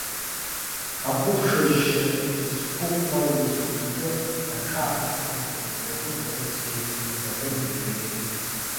Ақәыԥшра-шьа зқәыхәмаруаз ихы-иҿы аҽаарыцҳанатәын, даҟәыҵрацгьы инапы неиҟьеит.